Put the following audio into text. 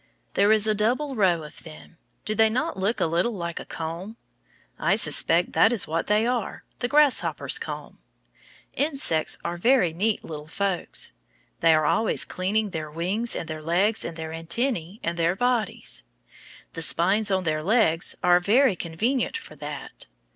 There is a double row of them. Do they not look a little like a comb? I suspect that is what they are, the grasshopper's comb. Insects are very neat little folks. They are always cleaning their wings and their legs and their antennæ and their bodies. The spines on their legs are very convenient for that.